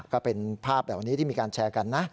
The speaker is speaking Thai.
ก็เป็นภาพเหล่านี้ที่มีการแชร์กันนะ